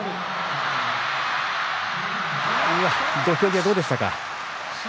土俵際、どうでしたか？